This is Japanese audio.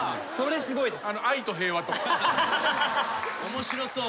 面白そう。